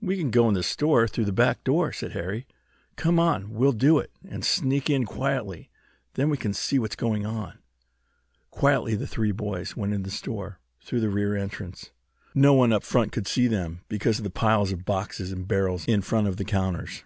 "We can go in the store through the back door," said Harry. "Come on, we'll do it, and sneak in quietly! Then we can see what's going on." Quietly the three boys went into the store through the rear entrance. No one up front could see them because of the piles of boxes and barrels in front of the counters.